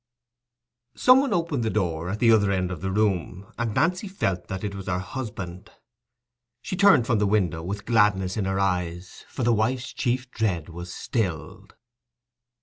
Some one opened the door at the other end of the room, and Nancy felt that it was her husband. She turned from the window with gladness in her eyes, for the wife's chief dread was stilled.